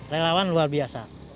relawan luar biasa